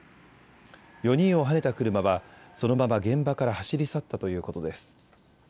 ４人をはねた車はそのまま現場から走り去ったということです。